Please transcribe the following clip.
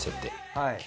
はい。